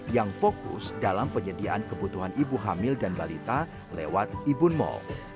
yang fokus dalam penyediaan kebutuhan ibu hamil dan balita lewat ibun mall